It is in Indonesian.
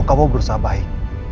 mau kamu berusaha baik